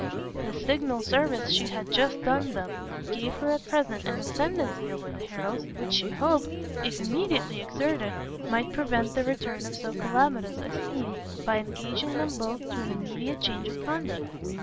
The signal service she had just done them gave her at present an ascendency over the Harrels, which she hoped, if immediately exerted, might prevent the return of so calamitous a scene, by engaging them both to an immediate change of conduct.